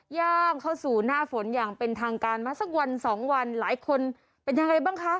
ย่างเข้าสู่หน้าฝนอย่างเป็นทางการมาสักวันสองวันหลายคนเป็นยังไงบ้างคะ